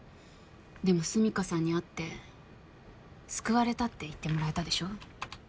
でも純夏さんに会って救われたって言ってもらえたでしょう。